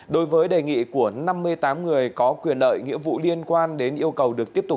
đối với đề nghị của năm mươi tám người có quyền lợi nghĩa vụ liên quan đến yêu cầu được tiếp tục